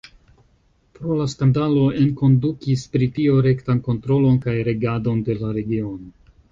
Pro la skandalo enkondukis Britio rektan kontrolon kaj regadon de la regiono.